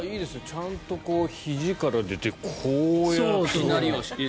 ちゃんとひじから出てこうやって。